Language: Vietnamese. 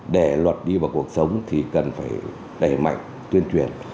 để luật đi vào cuộc sống thì cần phải đẩy mạnh tuyên truyền